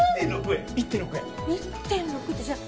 １．６ってじゃあ。